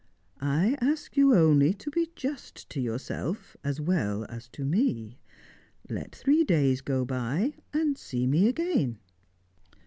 "I ask you only to be just to yourself as well as to me. Let three days go by, and see me again."